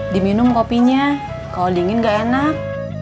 diminum kopinya kalau dingin gak enak